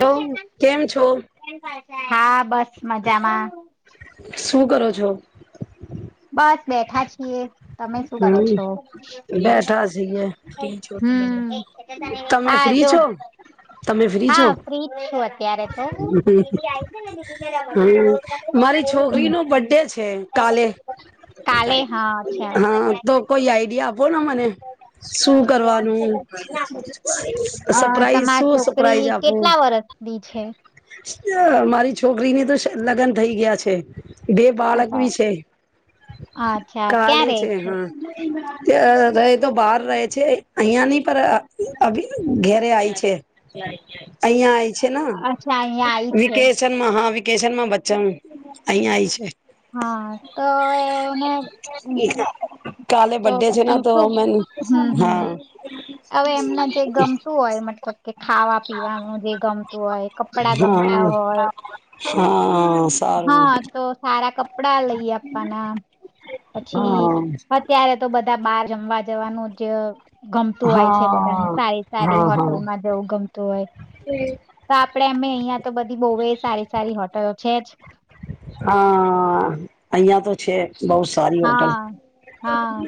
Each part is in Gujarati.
હલો કેમ છો હા. બસ મજામાં. શું કરો છો? બસ બેઠા છીએ. તમે શું કરો હમ છો? બેઠા છીએ હમ, તમે હા ફ્રી જો છો તમે ફ્રી હા, છો ફ્રીજ છું અત [unintelligible] રમાડું તું હમ, રોજ રમે છે મારી ને એવું છોકરીનો બડે છે કાલે કાલે હા અચ્છા હમ, તો કોઈ આઈડિયા આપો ને શું કરવાનું અ સરપ્રાઈઝ તમાર શું છોકરી સરપ્રાઈઝ આપું. કેટલા વર્ષની છે મારી છોકરીને તો [unintelligible] લગ્ન થઈ ગયા છે. બે બાળક અચ્છા બી છે અચ્છા [inaudible] કાલે ક્યાં રે છે. [unintelligible] એતો બહાર રહે છે અહિયાંની [unintelligible] ઘેરે આય છે અહિયાં આય છે. અચ્છા અહિયાં આઈ [unintelligible] છે વિકેશન મહાવિ વકેશનમાં બચ્ચા અહીંયા આય છે. હા, તો એને કાલે તો બ્ડે પછી છેના તો શું મેન હમ હમ હા. હવે એમને જે ગમતું હોય મતલબ કે ખાવા પીવાનું જે ગમતું હોય કપડા ગમતા હા હોય હા હા સારું તો સારા કપ કપડા લઈ આપવાના પછી હા અત્યારે તો બ બધા બાર જમવા જવાનું જે ગમતું હોય છે હા બધાને સારી સારી હા હા હોટલમાં જવું ગમતું હોય તો આપડે અમે અહિયાં તો બધી બહુ એ સારી સારી હોટલો છે જ હા અહિયાં તો છે બહ સારી હોટલ હા હા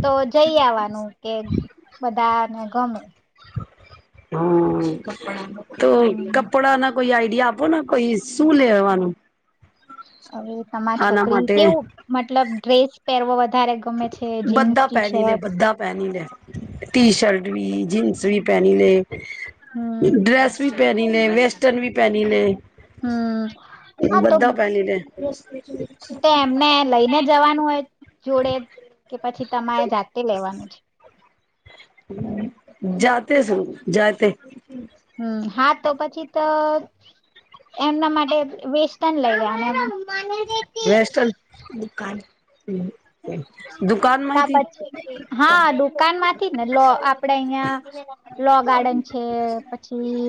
તો જઈ આવવાનું કે બધા ને ગમે હમ તો હમ કપડાા ના કોઈ આઈડ આપો ને કોઈ શું લેવાનું હવે તમારી આના છોકરી માટે કેવું મતલબ ડ્રેસ પેર વધ બધા પહેની લે બધા પહેની લે ટી શર્ટ ી જીન્સી પહેની લે હમ ડ્રેસ ભ પે પ વેસ્ટની પહેની લે હમ હા તો બધા પેલી રે તે એમને લઈને જવાનું હોય, જોડે કે પછી તમારે જાતે લેવાનું છે. જાતે શ જાતે હમ્મ, હા તો પછી, તો એમના માટે વેસ્ટન લઈ ગયા. વેસ્ટન કાન ત પછી હા દુકાન માંથી ને લો આપડે અહિયાં લો ગાર્ડન છે પછી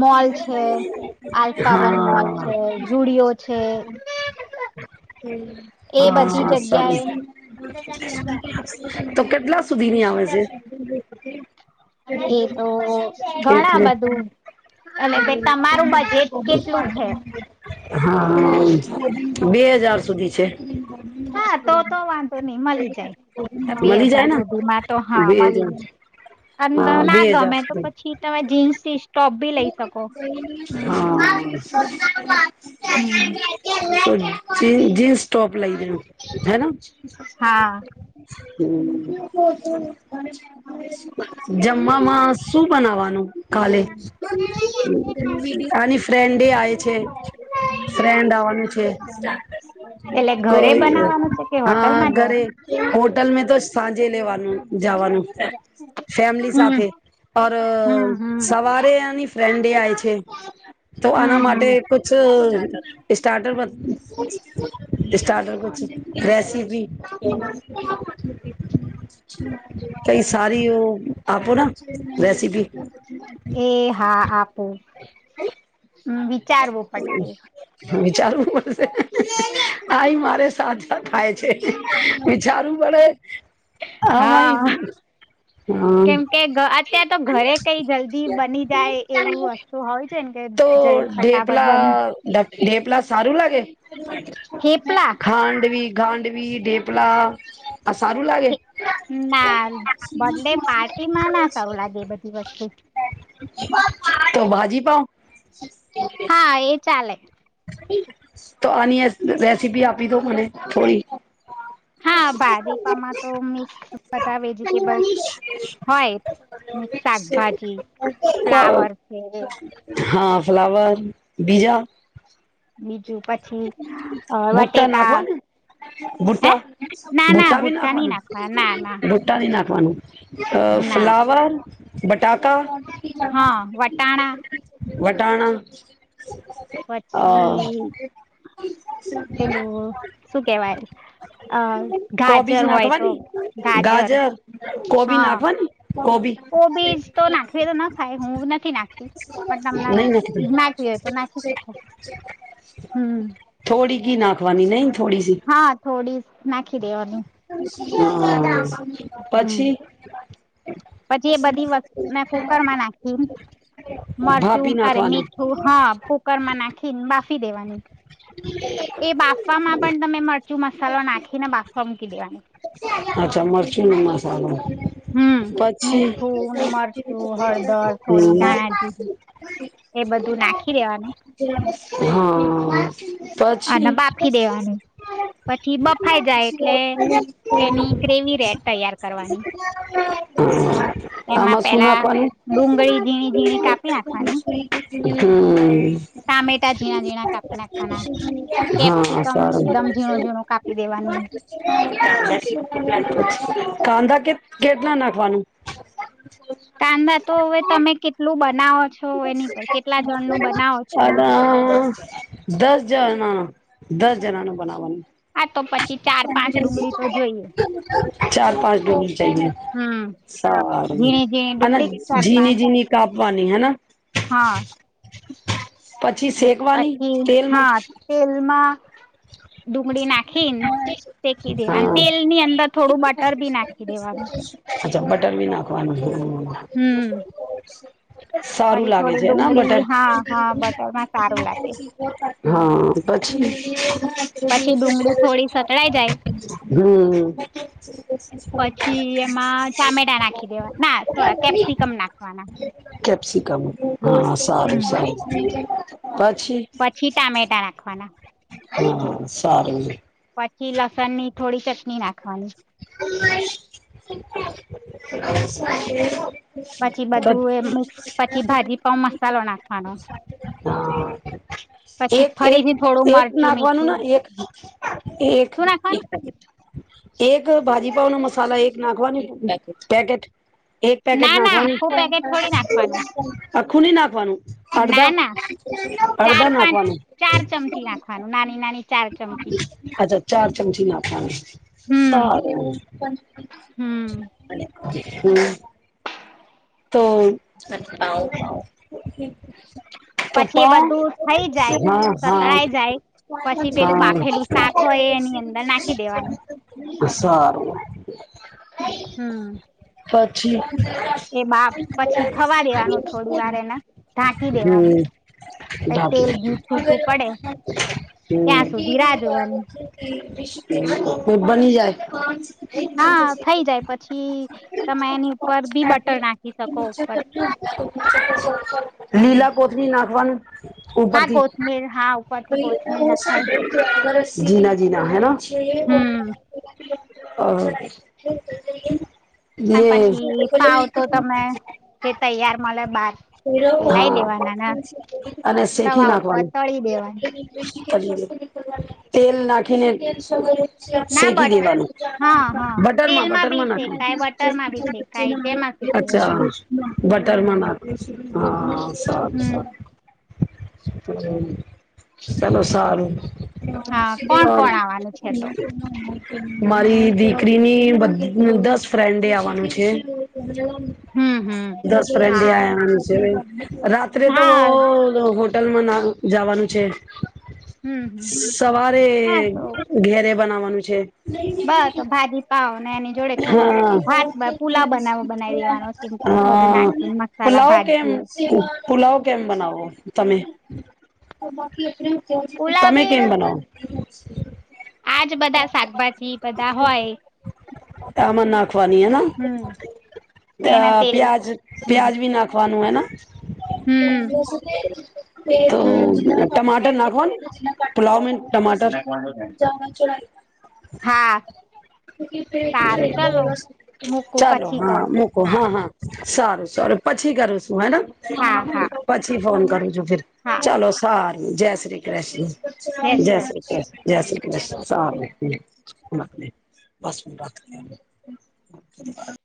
મોલ છે આલ્ફાવન મોલ હા છે જુડિયો છે હમ એ બધી હ જગ્યાએ સરું તો કેટલા એ સુધીની તો ઘણા આવે બધું છે એટલે ભ તમારું બજેટ કેટલે કેટલું છે હા હા બે હજાર સુધી છે હા તો તો વાંધો નહી મળી જાય બે મળી જાય હજાર ને સુધી માં તો બે હા હજાર મળી જાય અને હા બે ના હજાર ગમે તો સુધી પછી તમે જીન્સ થી સ ટોપ ભી લઈ શકો હમ હ હમ જી જીન્સ ટોપ લઈ લેનું હેના હા [inaudible] હ જમવામાં શું બનાવવાનું કાલે અને ફ્રેન્ડે આય છે ફ્રેન્ડ આવા એટલે ઘરે કોઈ બનાવાનું છે કે હા હોટલમાં જ ઘરે હોટલ મે તો સાંજે લેવા કરવાવાનું જવાનું ફેમિલી હમ સાથે ઓર હમ હમ સવારે એની ટ્રેન્ડે આય છે તો આના હમ હમ માટે કછ સ્ટાર્ટર બદ સ્ટાર્ટર બ રેસિપી કઈ સારી ઓ આપો ના રેસીિપી એ હા આપું હમ વિચારવું પડશે વિચારવું પડશે આઈ મારે સાજા થાય છે, વિચારવું પડે હા આમાંય હમ કેમ કે અત્યારે તો ઘરે કઈ જલ્દી બની જાય એવું વસ્તુ હોય છે, ને કે તો જલ્દી ફટાફટ ઢેપલા બની ઢેપલા સારું લાગે? થેપલા ખાંડવી ગાડવી ડેપલા ના બ ડે પાર્ટી માં ના સારું લાગે એ બધી વસ્તુ તો ભાજી પાઓ? [unintelligible] હા એ ચાલે તો આની રેસીપી આપી દો, મને થોડી હા, ભાજીપામાં તો મિક્સ બધા વેજીિટેબલ્સ હોય મિક્સ શાકભાજી ફ્લાવર છે, હા ફ્લાવર બીજા [unintelligible] બીજું પછી ભુટ્ટા વટેકા નાખવાને હે ભુટ્ટા ના ના ભુટ્ટા ભૂટઠા નઈ નાખવા ના ના આપવાનું ના ફ્લાવર. [unintelligible] હા વટાણા વટાણા અ પછી પેલું શું કેવાય? કોબીજ ગાજર હોય તો નાખવાની ગાજર કોબી હા નાખવાની કોબી કોબીજ તો નાખવી તો ના થાય હું નથી નાખી પણ તમને નહી નાખવી હોય, તો નાખી નાખતી શક થોડી ઘ નાખ વાની નહીં હા, થોડી નાખી દેવાની [unintelligible] હમ્મ પછી પછી એ બધી વસ્તુ કુકર માં નાખી મરચું ભાપી અરે નાખવાનું મીઠું હા કુકર કરમા નાખન બાસ કી દેવાની એ બાફવામાં પણ તમે મળ કચું મસાલો નાખીને બાથમ કલીવાણે અચ્છા મરચુંનું મસાલો હમ પછી મીઠું મરચું હળદર થોડી ના ધાણા જીરું એ બધું નાખી દેવાનું હા અને પછી બાફી દેવાનું પછી બફાઈ જાય એટલે એની ગ્રેવી ર તૈયાર કરવાની [unintelligible] એમાં હામાં પેલા સુનાખવાની ડુંગળી ઝીણી ઝીણી કાપી નાખવાની હમ ટામેટા ઝીણા ઝીણા કાપી નાખવાના હા કેપ્સિકમ સારું. એકદમ ઝીણો ઝીણો કાપી દેવાનું કાંધા કે કેટલા નાખવાનું કાંદા તો હવે તમે કેટલું બનાવો છો એની પર કેટલા જણનું બનાવો છો અલા દસ જણાનું દસ જણાનું બનાવાનું હા તો પછી ચાર પાંચ ડુંગળી તો જોઈએ. ચાર પાંચ ડુંગળી હમ સારું ઝીણી ઝીણી ડુંગળી હજી, ચાર જીની, પાંચ જીની કાપ વાની હેના હા, હ. એટલે પછી હા તેલમાં ડુંગળી નાખીને શેકી દે અને હા તેલ ની અંદર થોડું બટર ભી નાખી દેવા નું અચ્છા, બટર બી નાખવાનું હમ, હમ સારું પછી લાગે થોડી છે. એના બટર ડુંગળી હા હા બટરમાં સારું લાગે હા, પછી પછી ડુંગળી થોડી સાંતળી જાય હમ પછી એમાં ટામેટા નાખી દેવા ના કેપ્સિકમ નાખવાનાં કેપ્સીકમ. હા સારું, સારું પણ પછી ટામેટા નાખવાનાં હમ સારું છે. પછી લસણ ની નાંખવાની અવાજ નથી સરખો. પછી બધું એ મિક્સ પછી ભાજી પાઉ મસાલો નાખવાનો પછી એક, એક, ફરીથી થોડું એક મરચું નાખવાનું મીઠું ના એક શું નાખવાનું એક એક ભાજી પાાવ નો મસાલા એક નાખવાની પેકેટને એક પેકેટ ના ના નાખવાનું આખું પેકેટ થોડી નાખવાનું આખૂ ની નાખવાનું અડધા ના ના ચાર અડધા પાંચ નાખવાનું ચાર ચમચી નાખવાનું નાની નાની ચાર ચમચી અચ્છા ચાર ચમચી નાખવાનુ. હમ, હમ સારૂ હમ, હમ તો. તો પછી એ બધું થઈ પણ જાય સતળાઈ જાય હા, પછી પેલું બાફેલું શાક હા, હોય એની અંદર નાખી દેવાનું હા હા હમ સારૂ એ પછી. બાપ પછી થવા દેવાનું થોડી વાર એને ઢાંકી હ, દેવાનું પ બાકી તેલ ઘી છૂટું પડે ત્યાં હતું. સુધી રાહ જોવાની બ બની જાય હા થઈ જાય પછી તમે એની ઉપર બી બટર નાખી શકો ઉપર હમ લીલા કોથળી નાખવાનું હા ઉપરથી કોથમીર હા ઉપરથી કોથમીર નખાય જીના જના હેા હમ જે અને [unintelligible] એ પછી પાવ તો તમે જે તૈયાર મળે બાર એ લાઈ હા દેવાના અને શેકી તવા ઉપર નાખવાનું તળી દેવાના તેલ નાખીને ના શેકી બટ દેવાની હા હા બટર માં તેલમાં બટર બી માં નાખ શેકાય બટરમાં બી શેકાય જેમાં શેકવું હોય ચાલ બટર મના હા સબ હમ હમ ચાલો સારું હા કોણ કોણ આવવાનું છે તો [unintelligible] મારી દીકરીની દસ ફ્રેન્ડ આવવાનું છે હમ હમ દસ ફ્રેડ હા આયા રાત્રે તો હા હોટલમાં ના જવાનું છે હમ હમ સવારે ઘેરે બનાવા નું છે બ તો ભાજી પાવ ને એની જોડે થોડો હા ભાત પુલાવ બનાવો બનાવી દેવાનો સિમ બધું હા નાખીને મસાલા પુલાવ ભાત કેમ જેવું પુલાવ કેમ બનાવો તમે તો બાકી આપડી પુલાવ તમે બી કેમ બસ બનાવો [unintelligible] [unintelligible] આજ બધા શાકભાજી બધા હોય આમ નાખવાની હેના હમ ત એના તેલ પ્યાજ હમ પ્યાજ ભી નાખવાનું હેના હમ તો હમ ટમાટર નાખવાનુ પુલાવ ટમાટર હા સારું ચલો મૂકું ચાલો પછી હા કવું મુકો હા હા સારું સારું પછી કરું હા હા મેડમ પછી ફોન કરજો હા ચાલો સાર જય શ્રી કૃષ્ણ જય શ્રી ક્રષ્ણ જય શ્રી ક્રષ્ણ સારુ [unintelligible] [inaudible]